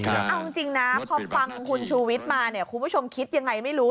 เอาจริงนะพอฟังคุณชูวิทย์มาเนี่ยคุณผู้ชมคิดยังไงไม่รู้